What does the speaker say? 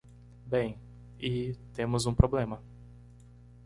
Bem,? e?, temos um problema.